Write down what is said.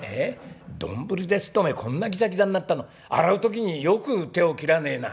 『丼です』っておめえこんなギザギザになったの洗う時によく手を切らねえな」。